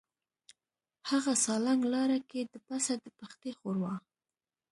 هغه سالنګ لاره کې د پسه د پښتۍ ښوروا.